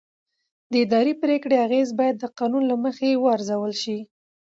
د اداري پرېکړې اغېز باید د قانون له مخې وارزول شي.